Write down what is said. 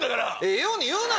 ええように言うな！